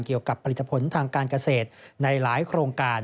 เกี่ยวกับผลิตผลทางการเกษตรในหลายโครงการ